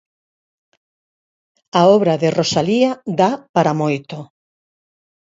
A obra de Rosalía dá para moito!